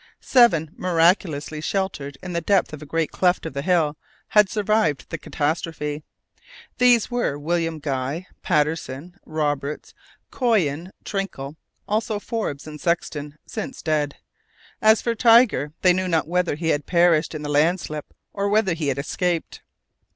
Seven, miraculously sheltered in the depth of a great cleft of the hill, had survived the catastrophe. These were William Guy, Patterson, Roberts, Covin, Trinkle, also Forbes and Sexton, since dead. As for Tiger, they knew not whether he had perished in the landslip, or whether he had escaped.